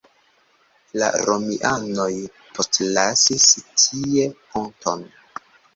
La romianoj postlasis tie ponton.